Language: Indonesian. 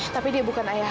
tapi dia bukan ayahku